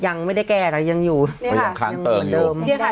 ยังไม่ได้แก้นะยังอยู่นี่ค่ะยังอยู่เหมือนเดิมนี่ค่ะ